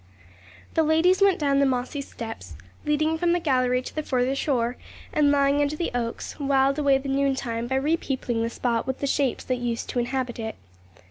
The ladies went down the mossy steps, leading from the gallery to the further shore, and, lying under the oaks, whiled away the noon time by re peopling the spot with the shapes that used to inhabit it.